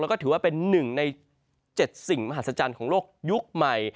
แล้วก็ถือว่าเป็นหนึ่งใน๗สิ่งมหัศจรรย์ของโลกยุคใหม่